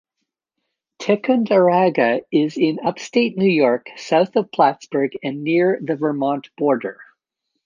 Ticonderoga is in Upstate New York, south of Plattsburgh, and near the Vermont border.